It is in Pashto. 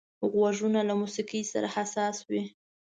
غوږونه له موسيقي سره حساس وي